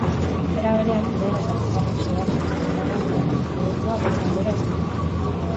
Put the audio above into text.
Era berean, lehen eta bigarren xedapen iragankorren debekua bertan behera utzi ditu.